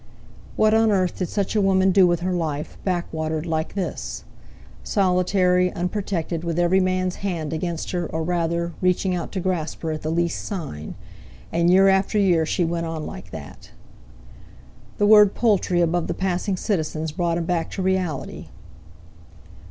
What on earth did such a woman do with her life, back watered like this? Solitary, unprotected, with every man's hand against her or rather—reaching out to grasp her at the least sign. And year after year she went on like that! The word "Poultry" above the passing citizens brought him back to reality.